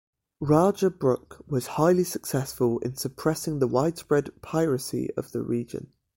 Rajah Brooke was highly successful in suppressing the widespread piracy of the region.